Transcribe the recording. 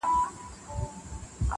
• مشوره به هم مني د ګیدړانو -